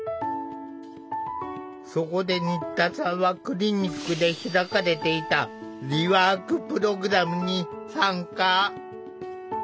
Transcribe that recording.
そこで新田さんはクリニックで開かれていたリワークプログラムに参加。